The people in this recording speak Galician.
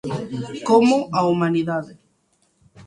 Como a "humanidade".